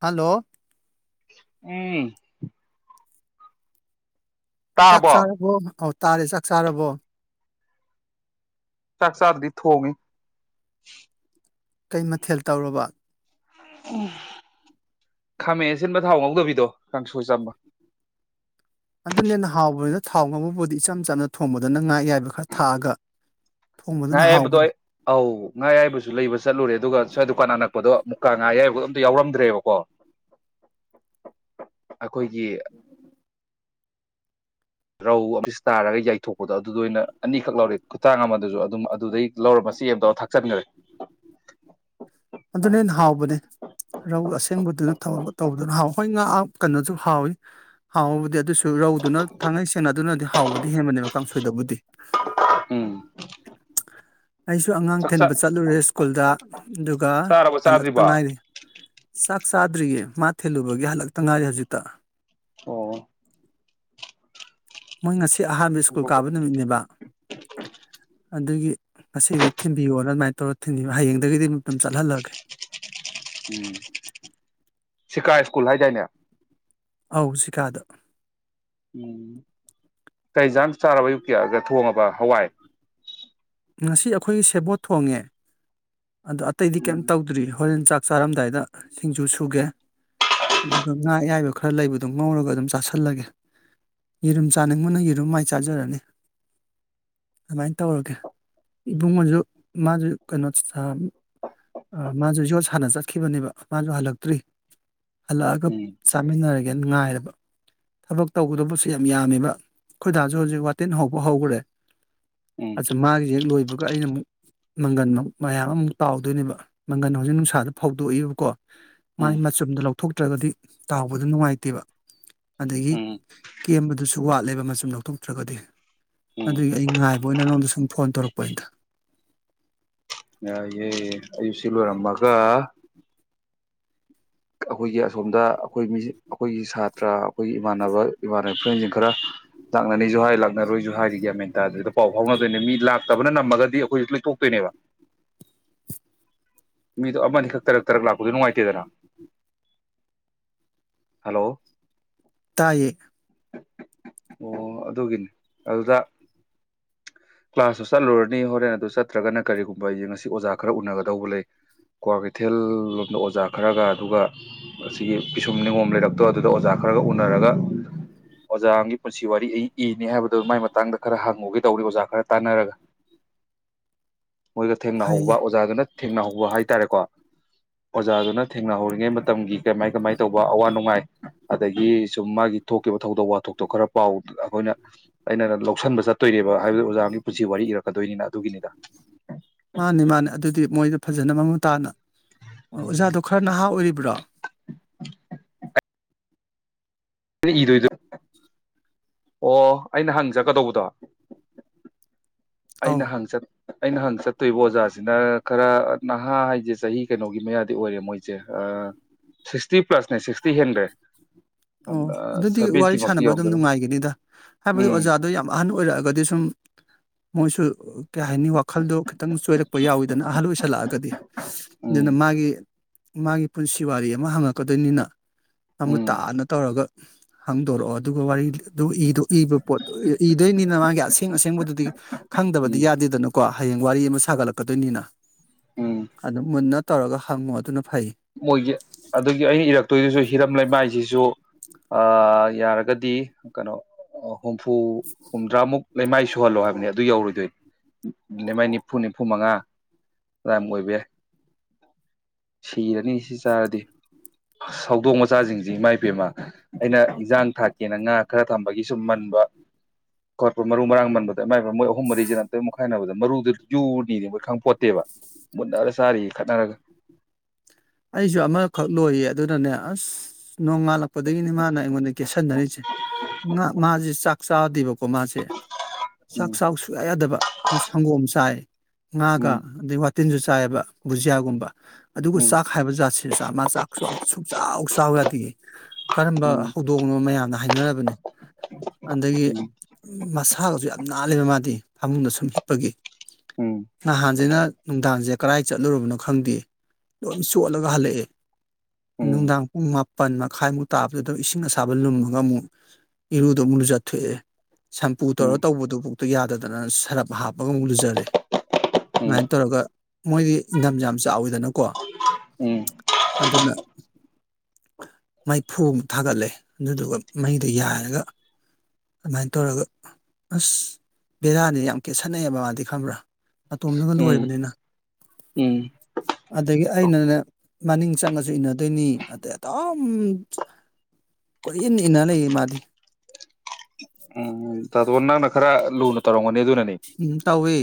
hello ꯎꯝ ꯆꯥꯛ ꯇꯥꯔꯕꯣ ꯆꯥꯔꯕꯣꯅ ꯀꯧ ꯇꯥꯔꯦ ꯆꯥꯛ ꯆꯥꯔꯕꯣ ꯆꯥꯛ ꯆꯥꯗ꯭ꯔꯤ ꯊꯣꯡꯉꯤ ꯀꯩ ꯃꯊꯦꯜ ꯇꯧꯔꯕ ꯎꯝ ꯈꯥꯃꯦꯟ ꯑꯁꯤꯟꯕ ꯊꯥꯎ ꯉꯧꯗꯕꯤꯗꯣ ꯀꯥꯡꯁꯣꯏ ꯆꯝꯕ ꯑꯗꯨꯅ ꯍꯦꯟꯅ ꯍꯥꯎꯕꯅꯤꯅ ꯊꯥꯎ ꯉꯧꯕꯕꯨꯗꯤ ꯏꯆꯝ ꯆꯝꯅ ꯊꯣꯡꯕꯗꯨꯅ ꯉꯥ ꯑꯌꯥꯏꯕ ꯈꯔ ꯊꯥꯛꯑꯒ ꯉꯥ ꯊꯣꯡꯕꯗꯨꯅ ꯑꯌꯥꯏꯕꯗꯣ ꯍꯥꯎꯕꯅꯤ ꯑꯩ ꯑꯧ ꯉꯥ ꯑꯌꯥꯏꯕꯖꯨ ꯂꯩꯕ ꯆꯠꯂꯨꯔꯦ ꯑꯗꯨꯒ ꯁꯥꯏ ꯗꯨꯀꯥꯟ ꯑꯅꯛꯄꯗꯣ ꯃꯨꯀꯥ ꯉꯥ ꯑꯌꯥꯏꯕꯗꯣ ꯑꯝꯇ ꯌꯥꯎꯔꯝꯗ꯭ꯔꯦꯕꯀꯣ ꯑꯩꯈꯣꯏꯒꯤ ꯔꯧ ꯕꯤꯁ ꯇꯥꯔꯒ ꯌꯥꯏꯊꯣꯛꯄꯗꯣ ꯑꯗꯨꯗꯣ ꯑꯣꯏꯅ ꯑꯅꯤꯈꯛ ꯂꯧꯔꯦ ꯈꯨꯇꯥꯡ ꯑꯃ ꯗꯨꯖꯨ ꯑꯗꯨꯝ ꯑꯗꯨꯗꯩ ꯂꯧꯔ ꯃꯆꯦꯠ ꯑꯃ ꯇꯧꯔ ꯊꯥꯛꯆꯟꯒꯔꯦ ꯑꯗꯨꯅ ꯍꯦꯟꯅ ꯍꯥꯎꯕꯅꯦ ꯔꯧ ꯑꯁꯦꯡꯕꯗꯨꯅ ꯊꯥꯎ ꯇꯧꯕꯗꯨꯅ ꯍꯥꯎ ꯍꯣꯏ ꯉꯥ ꯀꯅꯣꯖꯨ ꯍꯥꯎꯑꯤ ꯍꯥꯎꯕꯕꯨꯗꯤ ꯑꯗꯨꯁꯨ ꯔꯧꯗꯨꯅ ꯊꯥꯡꯉꯩ ꯁꯦꯡꯅꯗꯨꯅꯗꯤ ꯍꯥꯎꯕꯗꯤ ꯍꯦꯟꯕꯅꯦꯕ ꯀꯥꯡꯁꯣꯏꯗꯕꯨꯗꯤ ꯎꯝ ꯑꯩꯁꯨ ꯑꯉꯥꯡ ꯆꯥꯛ ꯆꯥ ꯊꯤꯟꯕ ꯆꯠꯂꯨꯔꯦ ꯁ꯭ꯀꯨꯜꯗ ꯑꯗꯨ ꯒ ꯆꯥꯔꯕ ꯍꯜꯂꯛꯇ ꯆꯥꯗ꯭ꯔꯤꯕꯣ ꯑꯣ ꯉꯥꯏꯔꯤ ꯆꯥꯛ ꯆꯥꯗ꯭ꯔꯤꯌꯦ ꯃꯥ ꯊꯤꯜꯂꯨꯕꯒꯤ ꯍꯜꯂꯛꯇ ꯉꯥꯏꯔꯤ ꯍꯧꯖꯤꯛꯇ ꯑꯣ ꯃꯣꯏ ꯉꯁꯤ ꯑꯍꯥꯟꯕ ꯁ꯭ꯀꯨꯜ ꯀꯥꯕ ꯅꯨꯃꯤꯠꯅꯦꯕ ꯑꯗꯨꯒꯤ ꯉꯁꯤꯗꯤ ꯊꯤꯟꯕꯤꯌꯣꯅ ꯑꯗꯨꯃꯥꯏꯅ ꯇꯧꯔꯣ ꯊꯤꯟꯕꯤꯕ ꯍꯌꯦꯡꯗꯒꯤꯗꯤ ꯑꯃꯨ ꯑꯗꯨꯝ ꯆꯠꯍꯜꯂꯒꯦ ꯁꯤꯀꯥ ꯁ꯭ꯀꯨꯜ ꯍꯥꯏꯗꯥꯏꯅꯦ ꯑꯥꯎ ꯁꯤꯀꯥꯗ ꯎꯝ ꯀꯩꯖꯥꯡ ꯆꯥꯔꯕ ꯑꯌꯨꯛꯀꯤ ꯊꯣꯡꯉꯕ ꯍꯋꯥꯏ ꯉꯁꯤ ꯑꯈꯣꯏꯒꯤ ꯁꯦꯕꯣꯠ ꯊꯣꯡꯉꯦ ꯑꯗꯣ ꯑꯇꯩꯗꯤ ꯀꯩꯝ ꯎꯝ ꯇꯧꯗ꯭ꯔꯤ ꯍꯣꯔꯦꯟ ꯆꯥꯛ ꯆꯥꯔꯝꯗꯥꯏꯗ ꯁꯤꯡꯖꯨ ꯁꯨꯒꯦ ꯑꯗꯨꯒ ꯉꯥ ꯑꯌꯥꯏꯕ ꯈꯔ ꯂꯩꯕꯗꯣ ꯉꯧꯔꯒ ꯑꯗꯨꯝ ꯆꯥꯥꯁꯜꯂꯒꯦ ꯌꯦꯔꯨꯝ ꯆꯥꯅꯤꯡꯕꯅ ꯌꯦꯔꯨꯝ ꯃꯥꯏ ꯆꯥꯖꯔꯅꯤ ꯑꯗꯨꯃꯥꯏꯅ ꯇꯧꯔꯒꯦ ꯏꯕꯨꯡꯉꯣꯖꯨ ꯃꯥꯖꯨ ꯀꯩꯅꯣ ꯑ ꯃꯥꯖꯨ ꯌꯣꯠ ꯁꯥꯟꯅ ꯆꯠꯈꯤꯕꯅꯦꯕ ꯃꯥꯖꯨ ꯍꯜꯂꯛꯇ꯭ꯔꯤ ꯍꯜꯂꯛꯑꯒ ꯎꯝ ꯆꯥꯃꯤꯟꯅꯔꯒꯦ ꯒꯦ ꯉꯥꯏꯔꯕ ꯊꯕꯛ ꯇꯧꯒꯗꯕꯁꯦ ꯌꯥꯝ ꯌꯥꯝꯃꯦꯕ ꯑꯈꯣꯏ ꯗꯥꯁꯨ ꯍꯧꯖꯤꯛ ꯋꯥꯇꯤꯟ ꯍꯧꯕ ꯍꯧꯒꯔꯦ ꯎꯝ ꯑꯁꯥ ꯃꯥꯒꯤ ꯂꯣꯏꯕꯒ ꯑꯩꯅ ꯑꯃꯨꯛ ꯃꯪꯒꯟ ꯃꯌꯥꯝ ꯑꯃꯃꯨꯛ ꯇꯥꯎꯗꯣꯏꯅꯦꯕ ꯃꯪꯒꯟ ꯍꯧꯖꯤꯛ ꯅꯨꯡꯁꯥꯗ ꯐꯧꯗꯣꯛꯏꯕꯀꯣ ꯃꯥꯏ ꯎꯝ ꯃꯆꯨꯝꯗꯣ ꯂꯧꯊꯣꯛꯇ꯭ꯔꯒꯗꯤ ꯇꯥꯎꯕꯗ ꯅꯨꯡꯉꯥꯏꯇꯦꯕ ꯑꯗꯒꯤ ꯎꯝ ꯀꯦꯝꯕꯗꯨꯁꯨ ꯋꯥꯠꯂꯦꯕ ꯃꯆꯨꯝ ꯂꯧꯊꯣꯛꯇ꯭ꯔꯒꯗꯤ ꯎꯝ ꯑꯗꯨꯒꯤ ꯑꯩ ꯉꯥꯏꯕ ꯕꯣꯏꯅꯂꯣꯝꯗꯁꯨ ꯐꯣꯟ ꯇꯧꯔꯛꯄ ꯍꯦꯛꯇ ꯌꯥꯏꯌꯦ ꯑꯩ ꯁꯤ ꯂꯣꯏꯔꯝꯃꯒ ꯑꯈꯣꯏꯒꯤ ꯑꯁꯣꯝꯗ ꯑꯈꯣꯏ ꯃꯤ ꯑꯈꯣꯏꯒꯤ ꯁꯥꯇ꯭ꯔ ꯑꯈꯣꯏꯒꯤ ꯏꯃꯥꯟꯅꯕ ꯏꯃꯥꯟꯅꯕ ꯐ꯭ꯔꯦꯟꯁꯤꯡ ꯈꯔ ꯂꯥꯛꯅꯅꯤꯁꯨ ꯍꯥꯏ ꯂꯥꯛꯅꯔꯣꯏꯁꯨ ꯍꯥꯏꯔꯤ ꯒꯌꯥꯟ ꯃꯦꯟ ꯇꯥꯗꯦꯗ ꯄꯥꯎ ꯐꯥꯎꯅꯗ꯭ꯔꯦꯅꯦ ꯃꯤ ꯂꯥꯛꯇꯕꯅ ꯅꯝꯃꯒꯗꯤ ꯑꯈꯣꯏ ꯂꯣꯏꯇꯣꯛꯇꯣꯏꯅꯦꯕ ꯃꯤꯗꯣ ꯑꯃꯅꯤꯈꯛ ꯇꯔꯛ ꯇꯔꯛ ꯂꯥꯛꯄꯗꯣ ꯅꯨꯡꯉꯥꯏꯇꯦꯗꯅ ꯍꯜꯂꯣ ꯇꯥꯏꯌꯦ ꯑꯣ ꯑꯗꯨꯒꯤꯅꯤ ꯑꯗꯨꯗ ꯀ꯭ꯂꯥꯁꯇꯨ ꯆꯠꯂꯨꯔꯅꯤ ꯍꯣꯔꯦꯟ ꯑꯗꯨ ꯆꯠꯇ꯭ꯔꯒꯅ ꯀꯔꯤꯒꯨꯝꯕ ꯌꯦꯡꯉꯁꯤ ꯑꯣꯖꯥ ꯈꯔ ꯎꯅꯒꯗꯧꯕ ꯂꯩ ꯀ꯭ꯋꯥ ꯀꯩꯊꯦꯜ ꯂꯣꯝꯗ ꯑꯣꯖꯥ ꯈꯔꯒ ꯑꯗꯨꯒ ꯑꯁꯤꯒꯤ ꯄꯤꯁꯨꯝ ꯅꯤꯉꯣꯝ ꯂꯩꯔꯛꯇꯣ ꯑꯗꯨꯗ ꯑꯣꯖꯥ ꯈꯔꯒ ꯎꯅꯔꯒ ꯑꯣꯖꯥ ꯑꯃꯒꯤ ꯄꯨꯟꯁꯤ ꯋꯥꯔꯤ ꯏꯅꯦ ꯍꯥꯏꯕꯗꯨꯣ ꯃꯥꯏ ꯃꯇꯥꯡꯗ ꯈꯔ ꯍꯪꯉꯨꯒꯦ ꯇꯧꯅꯤ ꯑꯣꯖꯥ ꯈꯔ ꯇꯥꯅꯔꯒ ꯃꯣꯏꯒ ꯊꯦꯡꯅꯍꯧꯕ ꯐꯩꯌꯦ ꯑꯣꯖꯥꯗꯨꯅ ꯊꯦꯡꯅꯍꯧ ꯎ ꯍꯥꯏꯇꯥꯔꯦꯀꯣ ꯑꯣꯖꯥꯗꯨꯅ ꯊꯦꯡꯅꯍꯧꯔꯤꯉꯩ ꯃꯇꯝꯒꯤ ꯀꯃꯥꯏ ꯀꯃꯥꯏ ꯇꯧꯕ ꯑꯋꯥ ꯅꯨꯡꯉꯥꯏ ꯑꯗꯒꯤ ꯁꯨꯝ ꯃꯥꯒꯤ ꯊꯣꯛꯈꯤꯕ ꯊꯧꯗꯣꯛ ꯋꯥꯊꯣꯛꯇꯣ ꯈꯔ ꯄꯥꯎ ꯑꯈꯣꯏꯅ ꯑꯩꯅ ꯂꯧꯁꯤꯟꯕ ꯆꯠꯇꯣꯏꯅꯦꯕ ꯍꯥꯏꯕꯗꯤ ꯑꯣꯖꯥꯒꯤ ꯄꯨꯟꯁꯤ ꯋꯥꯔꯤ ꯏꯔꯛꯀꯗꯣꯏꯅꯤꯅ ꯑꯗꯨꯒꯤꯅꯤꯗ ꯃꯥꯅꯦ ꯃꯥꯅꯦ ꯑꯗꯨꯗꯤ ꯃꯣꯏꯗ ꯐꯖꯅ ꯃꯃꯨ ꯇꯥꯅ ꯑꯣꯖꯥꯗꯣ ꯈꯔ ꯅꯍꯥ ꯑꯣꯏꯔꯤꯕ꯭ꯔꯣ ꯑꯩꯅ ꯏꯗꯣꯏꯗꯣ ꯑꯣ ꯑꯩꯅ ꯍꯪꯖꯠꯀꯗꯧꯕꯗꯣ ꯑꯧ ꯑꯩꯅ ꯍꯪꯆꯠ ꯑꯩꯅ ꯍꯪ ꯆꯠꯇꯣꯏꯕ ꯑꯣꯖꯥꯁꯤꯅ ꯈꯔ ꯅꯍꯥ ꯍꯥꯏꯁꯦ ꯆꯍꯤ ꯀꯩꯅꯣꯒꯤ ꯃꯌꯥꯗꯤ ꯑꯣꯏꯔꯦ ꯃꯣꯏꯁꯦ ꯁꯤꯛꯁꯇꯤ ꯄ꯭ꯂꯁꯅꯦ ꯁꯤꯛꯁꯇꯤ ꯍꯦꯟꯒ꯭ꯔꯦ ꯑꯣ ꯑꯗꯨꯗꯤ ꯋꯥꯔꯤ ꯁꯥꯟꯅꯕ ꯑꯗꯨꯝ ꯅꯨꯡꯉꯥꯏꯒꯤꯅꯤꯗ ꯍꯥꯏꯕꯗꯤ ꯎꯝ ꯑꯣꯖꯥꯗꯣ ꯌꯥꯝ ꯑꯍꯟ ꯑꯣꯏꯔꯛꯑꯒꯗꯤ ꯁꯨꯝ ꯃꯣꯏꯁꯨ ꯀꯩ ꯍꯥꯏꯅꯤ ꯋꯥꯈꯜꯗꯣ ꯈꯤꯇꯪ ꯆꯣꯏꯔꯛꯄ ꯌꯥꯎꯋꯤꯗꯅ ꯑꯍꯜ ꯑꯣꯏꯁꯜꯂꯛꯑꯒꯗꯤ ꯑꯗꯨꯅ ꯎꯝ ꯃꯥꯒꯤ ꯃꯥꯒꯤ ꯄꯨꯟꯁꯤ ꯋꯥꯔꯤ ꯑꯃ ꯍꯪꯉꯛꯀꯗꯣꯏꯅꯤꯅ ꯃꯃꯨꯠ ꯎꯝ ꯇꯥꯅ ꯒ ꯍꯪꯗꯣꯔꯛꯑꯣ ꯑꯗꯨꯒ ꯋꯥꯔꯤ ꯑꯗꯨꯒ ꯏꯕ ꯄꯣꯠꯇꯣ ꯏꯗꯣꯏꯅꯤꯅ ꯃꯥꯒꯤ ꯑꯁꯦꯡ ꯑꯁꯦꯡꯕꯗꯨꯗꯤ ꯈꯪꯗꯕꯗꯤ ꯎꯝ ꯌꯥꯗꯦꯗꯅꯀꯣ ꯍꯌꯦꯡ ꯋꯥꯔꯤ ꯑꯃ ꯁꯥꯒꯠꯂꯛꯀꯗꯣꯏꯅꯤꯅ ꯎꯝ ꯑꯗꯨꯝ ꯃꯨꯟꯅ ꯇꯧꯔꯒ ꯍꯪꯉꯣ ꯑꯗꯨꯅ ꯐꯩ ꯃꯣꯏꯒꯤ ꯑꯗꯨꯒꯤ ꯑꯩꯅ ꯏꯔꯛꯇꯣꯏꯗꯨꯁꯨ ꯍꯤꯔꯝ ꯂꯩꯃꯥꯏꯁꯤꯁꯨ ꯌꯥꯔꯒꯗꯤ ꯀꯩꯅꯣ ꯑꯣ ꯍꯨꯝꯐꯨ ꯍꯨꯝꯗ꯭ꯔꯥꯃꯨꯛ ꯂꯩꯃꯥꯏ ꯁꯨꯍꯜꯂꯣ ꯍꯥꯏꯕꯅꯦ ꯑꯗꯨ ꯌꯧꯔꯣꯏꯗꯣꯏ ꯂꯩꯃꯥꯏ ꯅꯤꯐꯨ ꯅꯤꯐꯨ ꯃꯉꯥ ꯑꯗꯥꯏꯃꯨꯛ ꯑꯣꯏꯕ ꯌꯥꯏ ꯊꯤꯔꯅꯤ ꯁꯤ ꯆꯥꯔꯗꯤ ꯁꯧꯗꯣꯡ ꯃꯆꯥꯁꯤꯡꯁꯤ ꯏꯃꯥ ꯏꯕꯦꯝꯃ ꯑꯩꯅ ꯏꯟꯖꯥꯡ ꯊꯥꯛꯀꯦꯅ ꯉꯥ ꯈꯔ ꯊꯝꯕꯒꯤ ꯁꯨꯝ ꯃꯟꯕ ꯈꯣꯠꯄ ꯃꯔꯨ ꯃꯔꯥꯡ ꯃꯟꯕꯗ ꯏꯃꯥꯏ ꯃꯣꯏ ꯑꯍꯨꯝ ꯃꯔꯤꯁꯤ ꯅꯠꯇ ꯃꯨꯛꯈꯥꯏꯅꯕꯗꯣ ꯃꯔꯨꯗꯣ ꯌꯨꯔꯅꯤꯗꯤ ꯃꯣꯏ ꯈꯪꯄꯣꯠꯇꯦꯕ ꯃꯨꯟꯅꯔ ꯆꯥꯔꯤꯌꯦ ꯈꯠꯅꯔꯒ ꯑꯩꯁꯨ ꯑꯃꯈꯛ ꯂꯣꯏꯌꯦ ꯑꯗꯨꯅꯅꯦ ꯑꯁ ꯅꯣꯡꯉꯥꯜꯂꯛꯄꯗꯒꯤꯅꯦ ꯃꯥꯅ ꯑꯩꯉꯣꯟꯗ ꯀꯦꯁꯟꯅꯔꯤꯁꯦ ꯉ ꯃꯥꯁꯦ ꯆꯥꯛ ꯆꯥꯗꯦꯕ ꯀꯣ ꯃꯥꯁꯦ ꯆꯥꯛ ꯎꯝ ꯆꯥꯕ ꯁꯨꯡꯌꯥ ꯌꯥꯗꯕ ꯃꯥ ꯁꯪꯒꯣꯝ ꯆꯥꯏ ꯉꯥ ꯀ ꯎꯝ ꯑꯗꯨ ꯇꯤꯟꯖꯨ ꯆꯥꯏꯑꯕ ꯕꯨꯖꯤꯌꯥꯒꯨꯝꯕ ꯑꯗꯨꯒ ꯆꯥꯛ ꯍꯥꯏꯕ ꯖꯥꯠꯁꯤ ꯆ ꯃꯥ ꯆꯥꯛ ꯁꯨꯡꯆꯥꯎ ꯆꯥꯎ ꯌꯥꯗꯤꯌꯦ ꯀꯔꯝꯕ ꯍꯧꯗꯣꯡꯅꯣ ꯃꯌꯥꯝꯅ ꯍꯥꯏꯅꯔꯕꯅꯦ ꯑꯗꯒꯤ ꯃꯁꯥꯒꯁꯨ ꯌꯥꯝ ꯅꯥꯜꯂꯦꯕ ꯃꯥꯗꯤ ꯐꯥꯃꯨꯡꯗ ꯁꯨꯝ ꯍꯤꯞꯄꯒꯤ ꯅꯍꯥꯟꯖꯤꯅ ꯅꯨꯡꯗꯥꯡꯁꯦ ꯀꯗꯥꯏ ꯆꯠꯂꯨꯔꯕꯅꯣ ꯈꯪꯗꯦ ꯂꯣꯏꯝ ꯆꯣꯠꯂꯒ ꯍꯜꯂꯛꯑꯦ ꯅꯨꯡꯗꯥꯡ ꯄꯨꯡ ꯃ ꯄꯟ ꯃꯈꯥꯏꯃꯨꯛ ꯇꯥꯕꯗꯨꯗ ꯏꯁꯤꯡ ꯑꯁꯥꯕ ꯂꯨꯝꯃꯒ ꯑꯃꯨꯛ ꯏꯔꯨꯗꯣ ꯑꯃꯨꯛ ꯂꯨꯖꯊꯣꯛꯑꯦ ꯁꯝꯄꯨ ꯇꯧꯔꯒ ꯇꯧꯕꯗꯨꯕꯨꯛꯇ ꯌꯥꯗꯗꯅ ꯁꯔꯞ ꯍꯥꯞꯄꯒ ꯑꯃꯨꯛ ꯂꯨꯖꯔꯦ ꯃꯥꯏ ꯇꯧꯔꯒ ꯃꯣꯏꯗꯤ ꯏꯪꯊꯝ ꯌꯥꯝ ꯆꯥꯎꯋꯤꯗꯅꯀꯣ ꯑꯗꯨꯅ ꯃꯩ ꯐꯨ ꯑꯃꯨꯛ ꯊꯥꯒꯠꯂꯦ ꯑꯗꯨꯗꯨꯒ ꯃꯩꯗ ꯌꯥꯏꯔꯒ ꯑꯗꯨꯃꯥꯏꯅ ꯇꯧꯔꯒ ꯑꯁ ꯕꯦꯔꯥꯅꯤ ꯌꯥꯝ ꯀꯦ ꯁꯥꯟꯅꯩꯑꯕ ꯃꯥꯗꯤ ꯈꯪꯕ꯭ꯔꯥ ꯑꯇꯣꯝꯗꯒ ꯂꯣꯏꯕꯅꯤꯅ ꯑꯗꯒꯤ ꯑꯩꯅꯅꯦ ꯃꯅꯤꯡ ꯆꯪꯉꯁꯨ ꯏꯟꯅꯗꯣꯏꯅꯤ ꯑꯗꯩ ꯑꯗꯨꯝ ꯀꯣꯏꯟ ꯏꯟꯅ ꯂꯩꯌꯦ ꯃꯥꯗꯤ ꯎꯝ ꯇꯗꯣ ꯅꯪꯅ ꯈꯔ ꯂꯨꯅ ꯇꯧꯔꯝꯒꯅꯤ ꯑꯗꯨꯅꯅꯦ ꯎꯝ ꯇꯥꯎꯋꯦ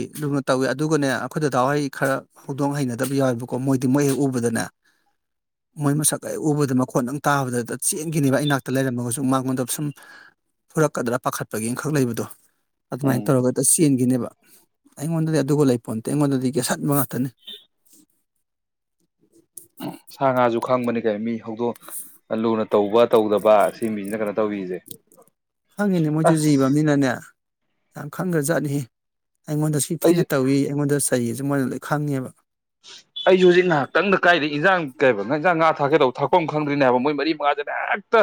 ꯇꯧꯋꯦ ꯑꯗꯨꯒꯅꯦ ꯑꯩꯈꯣꯏ ꯗꯗꯥ ꯍꯣꯏ ꯈꯔ ꯍꯧꯗꯣꯡ ꯍꯩꯅꯗꯕ ꯌꯥꯎꯋꯦꯕꯀꯣ ꯃꯣꯏꯗꯤ ꯃꯣꯏ ꯍꯦꯛ ꯎꯕꯗꯅꯦ ꯃꯣꯏ ꯃꯁꯛ ꯍꯦꯛ ꯎꯕꯗ ꯃꯈꯣꯠ ꯗꯪ ꯇꯥꯕꯗꯗ ꯆꯦꯟꯈꯤꯅꯤꯕ ꯑꯩꯅꯥꯛꯇ ꯂꯩꯔꯝꯃꯒꯁꯨ ꯃꯥꯉꯣꯟꯗ ꯁꯨꯝ ꯐꯨꯔꯛꯀꯗ꯭ꯔꯥ ꯄꯥꯈꯠꯄꯒꯤ ꯑꯃꯈꯛ ꯂꯩꯕꯗꯣ ꯑꯗꯨꯃꯥꯏꯅ ꯎꯝ ꯇꯧꯔꯒ ꯏꯟꯒꯤꯅꯦꯕ ꯑꯩꯉꯣꯟꯗꯗꯤ ꯑꯗꯨꯒ ꯂꯩꯄꯣꯟꯇꯦ ꯑꯩꯉꯣꯟꯗꯗꯤ ꯀꯦꯁꯟꯕ ꯉꯥꯛꯇꯅꯤ ꯁꯥ ꯉꯥꯁꯨ ꯈꯪꯕꯅꯤ ꯃꯤ ꯍꯧꯗꯣꯛ ꯂꯨꯅ ꯇꯧꯕ ꯇꯧꯗꯕ ꯁꯤ ꯃꯤꯁꯤꯅ ꯀꯩꯅꯣ ꯇꯧꯕꯤꯁꯦ ꯈꯪꯉꯤꯅꯦ ꯃꯣꯏꯁꯨ ꯖꯤꯕ ꯑꯁ ꯑꯃꯅꯤꯅꯅꯦ ꯌꯥꯝ ꯈꯪꯒ꯭ꯔ ꯖꯥꯠꯅꯤꯍꯦ ꯑꯩꯉꯣꯟꯗꯁꯨ ꯑꯩꯁꯨ ꯊꯤꯅ ꯇꯧꯏꯤ ꯑꯩꯉꯣꯟꯗꯁꯨ ꯑꯩꯒꯤꯁꯨ ꯃꯣꯏꯅ ꯂꯣꯏ ꯈꯪꯉꯦꯕ ꯑꯩꯖꯨ ꯍꯧꯖꯤꯛ ꯅꯍꯥꯛꯇꯪꯗ ꯀꯥꯏꯗ ꯏꯟꯖꯥꯡ ꯀꯩꯕ ꯏꯟꯖꯥꯡ ꯉꯥ ꯊꯥꯛꯀꯦꯗꯧꯕ ꯊꯥꯛꯐꯝ ꯑꯃ ꯈꯪꯗ꯭ꯔꯤꯅꯦ ꯍꯥꯏꯕ ꯃꯣꯏ ꯃꯔꯤ ꯃꯉꯥꯖꯤꯅ ꯍꯦꯛꯇ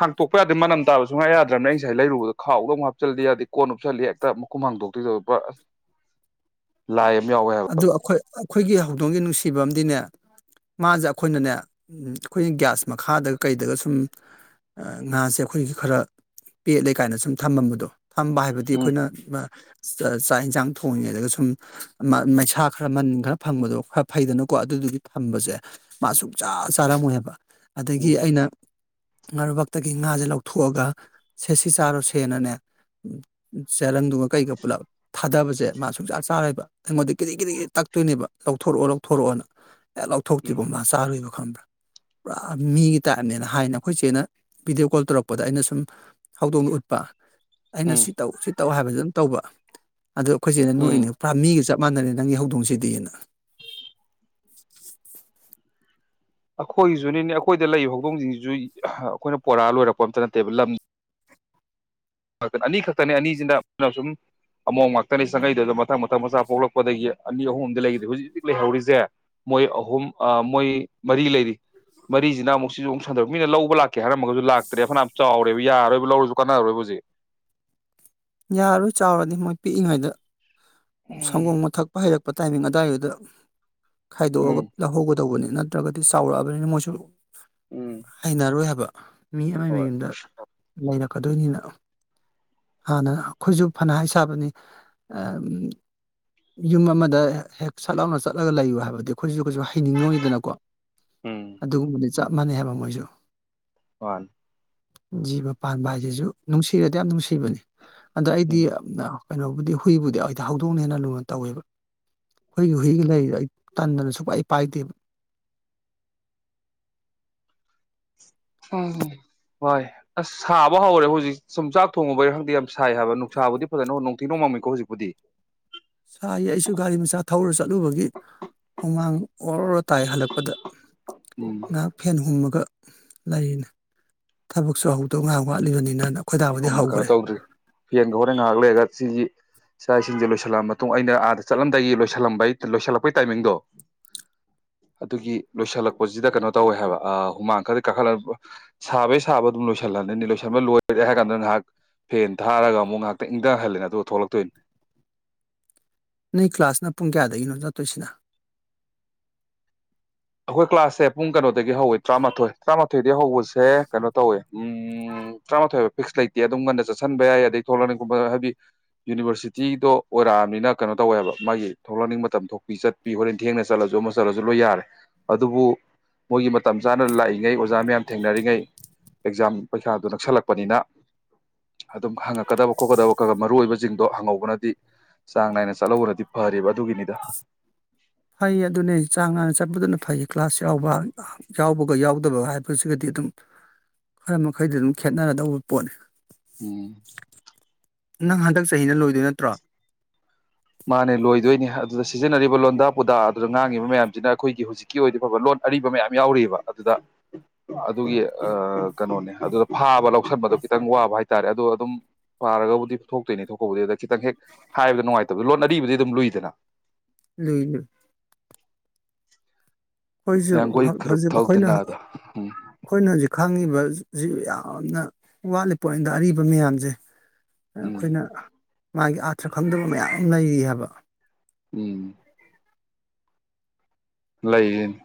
ꯍꯥꯡꯇꯣꯛꯄ ꯌꯥꯗꯦ ꯃꯅꯝ ꯇꯥꯕ ꯁꯨꯡ ꯉꯥ ꯌꯥꯗ꯭ꯔꯕꯅꯦ ꯑꯩ ꯉꯁꯥꯏ ꯂꯩꯔꯨꯕꯗ ꯈꯥꯎꯗ ꯑꯃꯨꯛ ꯍꯥꯞꯆꯜꯂꯤ ꯌꯥꯗꯦ ꯀꯣꯟ ꯎꯞꯁꯜꯂꯤ ꯍꯦꯛꯇ ꯃꯈꯨꯝ ꯍꯥꯡꯇꯣꯛꯇꯨꯏꯗ ꯍꯦꯛꯇ ꯂꯥꯏ ꯑꯃ ꯌꯥꯎꯋꯦ ꯍꯥꯏꯕ ꯑꯗꯨ ꯑꯈꯣꯏ ꯑꯩꯈꯣꯏꯒꯤ ꯍꯧꯗꯣꯡꯒꯤ ꯅꯨꯡꯁꯤꯕ ꯑꯝꯗꯤꯅꯦ ꯃꯥꯖꯦ ꯑꯩꯈꯣꯏꯅꯅꯦ ꯑꯩꯈꯣꯏꯒꯤ ꯒ꯭ꯌꯥꯁ ꯃꯈꯥꯗꯒ ꯀꯩꯗꯒ ꯁꯨꯝ ꯉꯥꯁꯦ ꯑꯩꯈꯣꯏꯒꯤ ꯈꯔ ꯄꯦꯠꯂꯦ ꯀꯥꯏꯅ ꯁꯨꯝ ꯊꯝꯃꯝꯕꯗꯣ ꯐꯝꯕ ꯍꯥꯏꯕꯗꯤ ꯎꯝ ꯑꯩꯈꯣꯏꯅ ꯑꯃ ꯆ ꯆꯥꯛ ꯍꯦꯟꯖꯥꯡꯡ ꯊꯣꯡꯉꯤꯉꯩꯗꯒ ꯁꯨꯝ ꯑꯃ ꯃꯩꯁꯥ ꯈꯔ ꯃꯅꯤꯟ ꯈꯔ ꯐꯪꯕꯗꯣ ꯈꯔ ꯐꯩꯗꯅꯀꯣ ꯑꯗꯨꯗꯨꯒꯤ ꯊꯝꯕꯖꯦ ꯃꯥ ꯁꯨꯡꯆꯥ ꯆꯥꯔꯝꯃꯣꯏ ꯍꯥꯏꯕ ꯑꯗꯒꯤ ꯎꯝ ꯑꯩꯅ ꯉꯥꯔꯨꯕꯥꯛꯇꯒꯤ ꯉꯥꯖꯦ ꯂꯧꯊꯣꯛꯑꯒ ꯁꯦ ꯁꯤ ꯆꯥꯔꯣꯁꯦꯅꯅꯦ ꯇꯦꯂꯪꯗꯨꯒ ꯀꯩꯒ ꯄꯨꯂꯞ ꯊꯥꯗꯕꯖꯦ ꯖꯦ ꯃꯥ ꯁꯨꯡꯆꯥ ꯆꯥꯔꯣꯏꯕ ꯑꯩꯉꯣꯟꯗ ꯒꯤꯔꯤ ꯒꯤꯔꯤ ꯇꯛꯇꯣꯏꯅꯦꯕ ꯂꯧꯊꯣꯔꯛꯑꯣ ꯂꯧꯊꯣꯔꯛꯑꯣꯅ ꯍꯦ ꯎꯝ ꯂꯧꯊꯣꯛꯇ꯭ꯔꯤꯕꯣ ꯃꯥ ꯆꯥꯔꯣꯏꯕ ꯈꯪꯕ꯭ꯔꯥ ꯄꯨꯔꯥ ꯃꯤꯒꯤ ꯇꯥꯏꯞꯅꯦꯅ ꯍꯥꯏꯅ ꯑꯩꯈꯣꯏ ꯆꯦꯅ ꯚꯤꯗꯤꯑꯣ ꯀꯣꯜ ꯇꯧꯔꯛꯄꯗ ꯑꯩꯅ ꯁꯨꯝ ꯍꯧꯗꯣꯡ ꯎꯠꯄ ꯑꯩꯅ ꯎꯝ ꯁꯤ ꯇꯧ ꯁꯤ ꯇꯧ ꯍꯥꯏꯕꯗꯨꯝ ꯇꯧꯕ ꯑꯗꯣ ꯑꯩꯈꯣꯏꯆꯦꯅ ꯅꯣꯛ ꯎꯝ ꯏꯅꯦ ꯄꯨꯔꯥ ꯃꯤꯒ ꯆꯞ ꯃꯥꯥꯟꯅꯔꯦ ꯅꯪꯒꯤ ꯍꯧꯗꯣꯡꯁꯤꯗꯤꯅ ꯑꯈꯣꯏꯒꯤꯖꯨꯅꯤꯅꯦ ꯑꯈꯣꯏꯗ ꯂꯩꯕ ꯍꯧꯗꯣꯡꯖꯤꯡꯖꯤꯖꯨ ꯑꯩꯈꯣꯏꯅ ꯄꯣꯔꯑ ꯂꯣꯏꯔꯛꯄ ꯑꯝꯇ ꯅꯠꯇꯦꯕ ꯂꯝ ꯑꯅꯤ ꯈꯛꯇꯅꯦ ꯑꯅꯤꯖꯤꯅ ꯁꯨꯝ ꯑꯃꯣꯝ ꯉꯥꯛꯇꯅꯤ ꯆꯪꯉꯛꯏꯗꯣ ꯃꯊꯪ ꯃꯊꯪ ꯃꯆꯥ ꯄꯣꯛꯂꯛꯄꯗꯒꯤ ꯑꯅꯤ ꯑꯍꯨꯝ ꯑꯝꯗ ꯂꯩꯒꯤꯗ꯭ꯔꯦ ꯍꯧꯖꯤꯛ ꯍꯧꯖꯤꯛ ꯂꯩꯍꯧꯔꯤꯖꯦ ꯃꯣꯏ ꯑꯍꯨꯝ ꯑ ꯃꯣꯏ ꯃꯔꯤ ꯂꯩꯔꯤ ꯃꯔꯤꯖꯤꯅ ꯑꯃꯨꯛ ꯁꯤꯖꯨ ꯑꯃꯨꯛ ꯁꯟꯗꯣꯔꯛ ꯃꯤꯅ ꯂꯧꯕ ꯂꯥꯛꯀꯦ ꯍꯥꯏꯔꯝꯃꯒꯁꯨ ꯂꯥꯛꯇ꯭ꯔꯦ ꯐꯅꯌꯥꯝ ꯆꯥꯎꯔꯦꯕ ꯌꯥꯔꯣꯏꯕ ꯂꯧꯔꯖꯨ ꯀꯥꯟꯅꯔꯣꯏꯕ ꯍꯧꯖꯤꯛ ꯌꯥꯔꯣꯏ ꯆꯥꯎꯔꯗꯤ ꯃꯣꯏ ꯄꯤꯛꯏꯉꯩꯗ ꯎꯝ ꯁꯪꯒꯣꯝ ꯒ ꯊꯛꯄ ꯍꯩꯔꯛꯄ ꯇꯥꯏꯃꯤꯡ ꯑꯗꯥꯏꯗꯨꯗ ꯈꯥꯏꯗꯣꯛꯑꯒ ꯎꯝ ꯂꯍꯧꯒ ꯇꯧꯕꯅꯤ ꯅꯠꯇ꯭ꯔꯒꯗꯤ ꯆꯥꯎꯔꯛꯑꯕꯅꯤꯅ ꯃꯣꯏꯁꯨ ꯎꯝ ꯍꯩꯅꯔꯣꯏ ꯍꯥꯏꯕ ꯃꯤ ꯑꯃꯩ ꯍꯣꯏ ꯃꯌꯨꯝꯗ ꯂꯩꯔꯛꯀꯗꯣꯏꯅꯤꯅ ꯍꯥꯟꯅ ꯈꯣꯏꯖꯨ ꯐꯅ ꯍꯥꯏ ꯁꯥꯕꯅꯤ ꯑ ꯌꯨꯝ ꯑꯃꯗ ꯍꯦꯛ ꯁꯠ ꯂꯥꯎꯅ ꯆꯠꯂꯒ ꯂꯩꯌꯨ ꯍꯥꯏꯕꯗꯤ ꯈꯣꯏꯖꯨ ꯀꯩꯁꯨ ꯍꯩꯅꯤꯡꯉꯣꯏꯗꯅꯀꯣ ꯎꯝ ꯑꯗꯨꯒꯨꯝꯕꯗꯤ ꯆꯞ ꯃꯥꯟꯅꯩ ꯍꯥꯏꯕ ꯃꯣꯏꯖꯨ ꯃꯥꯟꯅꯤ ꯖꯤꯕ ꯄꯥꯟꯕ ꯍꯥꯏꯖꯤꯖꯩ ꯅꯨꯡꯁꯤꯔꯗꯤ ꯌꯥꯝ ꯅꯨꯡꯁꯤꯕꯅꯤ ꯑꯗ ꯑꯩꯗꯤ ꯎꯝ ꯌꯝꯟ ꯀꯩꯅꯣꯕꯨꯗꯤ ꯍꯨꯏꯕꯨꯗꯤ ꯑꯩꯗꯤ ꯍꯧꯗꯣꯡꯅ ꯍꯦꯟꯅ ꯂꯨꯅ ꯇꯧꯋꯦꯕ ꯈꯣꯏꯒꯤ ꯍꯨꯏꯒ ꯂꯩꯔꯤꯗꯣ ꯑꯩ ꯇꯟꯗꯅ ꯁꯨꯛ ꯄꯥꯏ ꯄꯥꯏꯗꯦꯕ ꯎꯝ ꯍꯣꯏ ꯑꯁ ꯁꯥꯕ ꯍꯧꯔꯦ ꯍꯧꯖꯤꯛ ꯁꯨꯝ ꯆꯥꯛ ꯊꯣꯡꯉꯨꯕꯩꯔ ꯈꯪꯗꯦ ꯌꯥꯝ ꯁꯥꯏ ꯍꯥꯏꯕ ꯅꯨꯡꯁꯥꯕꯨꯗꯤ ꯐꯖꯅ ꯅꯣꯡꯊꯤ ꯅꯣꯡꯃꯝꯃꯤꯀꯣ ꯍꯧꯖꯤꯛꯄꯨꯗꯤ ꯁꯥꯥꯏ ꯑꯩꯁꯨ ꯒꯥꯔꯤ ꯃꯆꯥ ꯊꯧꯔ ꯆꯠꯂꯨꯕꯒꯤ ꯍꯨꯃꯥꯡ ꯑꯣꯔꯣꯔꯣ ꯇꯥꯏ ꯍꯜꯂꯛꯄꯗ ꯑꯩꯗꯤ ꯉꯍꯥꯛ ꯐꯦꯟ ꯍꯨꯝꯃꯒ ꯂꯩꯔꯤꯅꯦ ꯊꯕꯛꯁꯨ ꯍꯧꯗꯧ ꯉꯍꯥꯛ ꯋꯥꯠꯂꯤꯕꯅꯤꯅ ꯍꯨꯝ ꯀꯅꯣ ꯇꯧꯗ꯭ꯔꯤ ꯐꯦꯟꯗꯣ ꯍꯣꯔꯦꯟ ꯉꯍꯥꯛ ꯂꯩꯔꯒ ꯁꯤꯒꯤ ꯆꯥꯛ ꯏꯁꯤꯡꯖꯦ ꯂꯣꯏꯁꯤꯜꯂꯛꯑ ꯃꯇꯨꯡ ꯑꯩꯅ ꯑꯥꯗ ꯆꯠꯂꯝꯗꯥꯏꯒꯤ ꯂꯣꯏꯁꯤꯜꯂꯝꯕ ꯂꯣꯏꯁꯤꯜꯂꯛꯄꯩ ꯇꯥꯏꯃꯤꯡꯗꯣ ꯑꯗꯨꯒꯤ ꯂꯣꯏꯁꯤꯜꯂꯛꯄꯖꯤꯗ ꯀꯅꯣ ꯇꯧꯋꯦ ꯍꯥꯏꯕ ꯑ ꯍꯨꯃꯥꯡ ꯈꯔꯗꯤ ꯀꯥꯈꯠ ꯁꯥꯕꯩ ꯁꯥꯕ ꯑꯗꯨꯝ ꯂꯣꯏꯁꯤꯜꯂꯅꯤ ꯂꯣꯏꯁꯤꯟꯕ ꯂꯣꯏ ꯂꯣꯏꯔꯦ ꯍꯥꯏ ꯀꯥꯟꯗ ꯉꯍꯥꯛ ꯐꯦꯟ ꯊꯥꯔꯒ ꯑꯃꯨꯛ ꯉꯍꯥꯛꯇꯪ ꯏꯪꯗꯍꯜꯂꯦ ꯑꯗꯨ ꯊꯣꯛꯂꯛꯇꯣꯏꯅꯤ ꯅꯣꯏ ꯀ꯭ꯂꯥꯁꯅ ꯄꯨꯡ ꯀꯌꯥꯗꯒꯤꯅꯣ ꯆꯠꯇꯣꯏꯁꯤꯅ ꯑꯩꯈꯣꯏ ꯀ꯭ꯂꯥꯁꯁꯦ ꯄꯨꯡ ꯀꯩꯅꯣꯗ ꯗꯒꯤ ꯍꯧꯋꯦ ꯇꯔꯥꯃꯥꯊꯣꯏ ꯇꯔꯥꯃꯥꯊꯣꯏꯗꯒꯤ ꯍꯧꯕꯁꯦ ꯀꯩꯅꯣ ꯇꯧꯋꯦ ꯎꯝ ꯇꯔꯥꯃꯥꯊꯣꯏꯕ ꯐꯤꯛꯁ ꯂꯩꯇꯦ ꯑꯗꯨꯝ ꯉꯟꯅ ꯆꯠꯁꯟꯕ ꯌꯥꯏ ꯑꯗꯗꯒꯤ ꯊꯣꯛꯂꯛꯅꯤꯡꯕꯕ ꯍꯥꯏꯕꯗꯤ ꯌꯨꯅꯤꯕꯔꯁꯤꯇꯤꯗꯣ ꯑꯣꯏꯔꯛꯑꯕꯃꯤꯅ ꯀꯩꯅꯣ ꯇꯧꯋꯦꯕ ꯃꯥꯒꯤ ꯊꯣꯛꯂꯛꯅꯤꯡꯕ ꯃꯇꯝ ꯊꯣꯛꯄꯤ ꯆꯠꯄꯤ ꯍꯣꯔꯦꯟ ꯊꯦꯡꯅ ꯆꯠꯂꯁꯨ ꯑꯃ ꯆꯠꯂꯁꯨ ꯂꯣꯏ ꯌꯥꯔꯦ ꯑꯗꯨꯕꯨ ꯃꯣꯏꯒꯤ ꯃꯇꯝ ꯆꯥꯅ ꯂꯥꯛꯏꯉꯩ ꯑꯣꯖꯥ ꯃꯌꯥꯝ ꯊꯦꯡꯅꯔꯤꯉꯩ ꯑꯦꯛꯖꯥꯝ ꯄꯔꯤꯈꯥꯗꯨ ꯅꯛꯁꯜꯂꯛꯄꯅꯤꯅ ꯑꯗꯨꯝ ꯍꯪꯉꯀꯕ ꯈꯣꯠꯀꯗꯕ ꯈ ꯃꯔꯨꯑꯣ ꯑꯣꯏꯕ ꯖꯤꯡꯗꯣ ꯍꯪꯍꯧꯕꯅꯗꯤ ꯆꯥꯡ ꯅꯥꯏꯅ ꯆꯠꯍꯧꯕꯅꯗꯤ ꯐꯔꯤꯕ ꯑꯗꯨꯒꯤꯅꯤꯗ ꯐꯩ ꯑꯗꯨꯅꯦ ꯆꯥꯡ ꯅꯥꯏꯅ ꯆꯠꯄꯗꯨꯅ ꯐꯩ ꯀ꯭ꯂꯥꯁ ꯌꯥꯎꯕ ꯌꯥꯎꯕꯒ ꯌꯥꯎꯗꯕ ꯍꯥꯏꯕꯁꯤꯒꯗꯤ ꯑꯗꯨꯝ ꯈꯔ ꯃꯈꯩꯗꯤ ꯑꯗꯨꯝ ꯈꯦꯠꯅꯔꯗꯧꯕ ꯄꯣꯠꯅꯤ ꯎꯝ ꯅꯪ ꯍꯟꯗꯛ ꯆꯍꯤꯅ ꯂꯣꯏꯗꯣꯏ ꯅꯠꯇ꯭ꯔꯣ ꯃꯥꯅꯦ ꯂꯣꯏꯗꯣꯏꯅꯦ ꯑꯗꯨꯗ ꯁꯤꯖꯤꯟꯅꯔꯤꯕ ꯂꯣꯟꯗꯥ ꯄꯨꯗꯥ ꯑꯗꯨꯗ ꯉꯥꯡꯉꯤꯕ ꯃꯌꯥꯝꯁꯤꯅ ꯑꯩꯈꯣꯏꯒꯤ ꯍꯧꯖꯤꯛꯀꯤ ꯑꯣꯏꯅꯗꯤ ꯐꯕ ꯂꯣꯟ ꯑꯔꯤꯕ ꯃꯌꯥꯝ ꯌꯥꯎꯔꯤꯕ ꯑꯗꯨꯗ ꯑꯗꯨꯒꯤ ꯑꯥ ꯀꯩꯅꯣꯅꯦ ꯑꯗꯨꯗ ꯐꯥꯕ ꯂꯧꯁꯟꯕꯗꯣ ꯈꯤꯇꯪ ꯋꯥꯕ ꯍꯥꯏꯇꯥꯔꯦ ꯑꯗꯣ ꯑꯗꯨꯝ ꯐꯥꯔꯒꯕꯨꯗꯤ ꯊꯣꯛꯇꯣꯏꯅꯦ ꯊꯣꯛꯄꯕꯨꯗꯤ ꯑꯗꯨꯗ ꯈꯤꯇꯪ ꯍꯦꯛ ꯍꯥꯏꯕꯗ ꯅꯨꯡꯉꯥꯏꯇꯦ ꯂꯣꯟ ꯑꯔꯤꯕꯗꯤ ꯑꯗꯨꯝ ꯂꯨꯏꯗꯅ ꯂꯨꯏ ꯂꯨꯏ ꯑꯩꯈꯣꯏꯁꯨ ꯍꯤꯌꯥꯡꯒꯣꯏ ꯈꯔꯨꯞ ꯍꯧꯖꯤꯛ ꯑꯩꯈꯣꯏꯅ ꯊꯧꯗꯅꯗꯣ ꯎꯝ ꯑꯩꯈꯣꯏꯅ ꯍꯧꯖꯤꯛ ꯈꯥꯡꯉꯤꯕ ꯁꯤ ꯌꯥꯝꯅ ꯋꯥꯠꯂꯤ ꯄꯣꯏꯟꯗ ꯑꯔꯤꯕ ꯃꯌꯥꯝꯁꯦ ꯎꯝ ꯑꯩꯈꯣꯏꯅ ꯃꯥꯒꯤ ꯑꯥꯔꯊ꯭ꯔ ꯈꯪꯗꯕ ꯃꯌꯥꯝ ꯂꯩꯔꯤ ꯍꯥꯏꯕ ꯎꯝ ꯂꯩ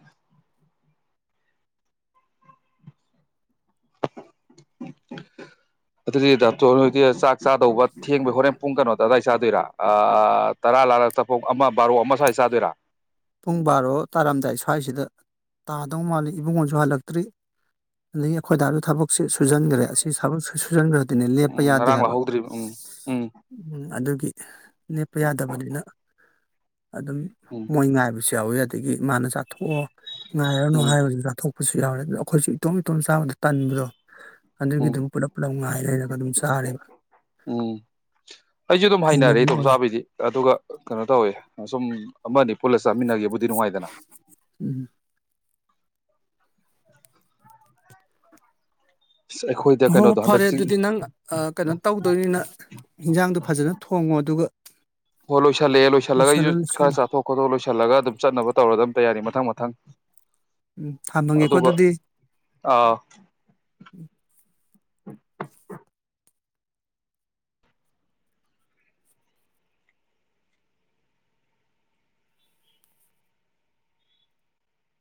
ꯑꯗꯨꯗꯤ ꯗꯥꯛꯇꯣꯔ ꯅꯖꯤꯗꯤ ꯆꯥꯛ ꯆꯥꯗꯧꯕ ꯊꯦꯡꯕꯩ ꯍꯣꯔꯦꯟ ꯄꯨꯡ ꯀꯩꯅꯣꯗ ꯑꯗꯥꯏ ꯆꯥꯗꯣꯏꯔꯥ ꯑꯥ ꯇꯔꯥ ꯂꯥꯔꯒ ꯆꯐ ꯑꯃ ꯕꯥꯔꯣ ꯑꯃ ꯁ꯭ꯋꯥꯏ ꯆꯥꯗꯣꯏꯔꯥ ꯄꯨꯡ ꯕꯥꯔꯣ ꯇꯥꯔꯝꯗꯥꯏ ꯁ꯭ꯋꯥꯏꯁꯤꯗ ꯇꯥꯗꯧ ꯃꯥꯜꯂꯤ ꯏꯕꯨꯡꯉꯣꯁꯨ ꯍꯜꯂꯛꯇ꯭ꯔꯤ ꯑꯗꯒꯤ ꯑꯩꯈꯣꯏꯗꯥꯁꯨ ꯊꯕꯛꯁꯦ ꯁꯨꯖꯟꯈ꯭ꯔꯦ ꯑꯁꯤ ꯊꯕꯛ ꯁꯨꯟꯖꯤꯟ ꯑꯗꯨꯅꯤ ꯂꯦꯞꯄ ꯎꯝ ꯌꯥꯗꯦ ꯉꯔꯥꯡ ꯍꯥꯏꯕ ꯂꯥꯛꯍꯧꯗ꯭ꯔꯤꯕ ꯎꯝ ꯎꯝ ꯎ ꯑꯗꯨ ꯅꯦꯞꯄ ꯌꯥꯗꯕꯅꯤꯅ ꯑꯗꯨꯝ ꯎꯝ ꯃꯣꯏ ꯉꯥꯏ ꯁꯨ ꯌꯥꯎꯋꯤ ꯑꯗꯒꯤ ꯃꯥꯅ ꯆꯥꯊꯣꯛꯑꯣ ꯉꯥꯏꯔꯅꯨ ꯎꯝ ꯍꯥꯏꯔꯁꯨ ꯆꯥꯊꯣꯛ ꯨ ꯌꯥꯎꯔꯦ ꯑꯗꯣ ꯑꯩꯈꯣꯏꯁꯨ ꯏꯇꯣꯝ ꯏꯇꯣꯝ ꯆꯥꯕꯗ ꯇꯟꯕꯗꯣ ꯑꯗꯨꯒꯤ ꯎꯝ ꯑꯗꯨꯝ ꯄꯨꯂꯞ ꯄꯨꯂꯞ ꯉꯥꯏ ꯂꯩꯔꯒ ꯑꯗꯨꯝ ꯆꯥꯔꯦꯕ ꯎꯝ ꯑꯩꯁꯨ ꯑꯗꯨꯝ ꯍꯩꯅꯔꯦ ꯍꯩꯅꯕꯤ ꯑꯣꯏ ꯏꯗꯣꯝꯆꯥꯕꯤꯗꯤ ꯑꯗꯨꯒ ꯀꯩꯅꯣ ꯇꯧꯋꯦ ꯁꯁꯨꯝ ꯑꯃ ꯑꯅꯤ ꯄꯨꯂ ꯆꯥꯃꯤꯟꯅꯒꯦꯕꯨꯗꯤ ꯅꯨꯡꯉꯥꯏꯗꯅ ꯎꯝ [inaudible] ꯑ ꯑꯩꯈꯣꯏꯗ ꯍꯣ ꯍꯣ ꯀꯩꯅꯣꯗꯣ ꯍꯟꯗꯛ ꯐꯔꯦ ꯆꯤ ꯑꯗꯨꯗꯤ ꯅꯪ ꯑ ꯀꯩꯅꯣ ꯇꯧꯗꯣꯏꯅꯤꯅ ꯍꯤꯟꯖꯥꯡꯗꯣ ꯐꯖꯅ ꯊꯣꯡꯉꯣ ꯑꯗꯨꯒ ꯍꯣꯏ ꯂꯣꯏꯁꯤꯜꯂꯦ ꯂꯣꯏꯁꯤꯜꯂꯒ ꯑꯩꯁꯨ ꯂꯣꯏꯁꯤꯜꯂꯣ ꯈꯔ ꯂꯣꯏꯁꯤꯜꯂꯣ ꯆꯥꯊꯣꯛ ꯈꯣꯊꯣꯛ ꯂꯣꯏꯁꯤꯜꯂꯒ ꯑꯗꯨꯝ ꯆꯠꯅꯕ ꯇꯧꯔ ꯑꯗꯨ ꯑꯝꯇꯌꯥꯔꯤ ꯃꯊꯪ ꯃꯊꯪ ꯎꯝ ꯊꯃꯒꯦꯀꯣ ꯑꯗꯨꯒ ꯑꯗꯨꯗꯤ [inaudible] ꯑꯥ [inaudible]